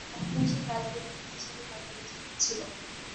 রক্ষণশীল রাজনীতিবিদ হিসেবে তার পরিচিতি ছিল।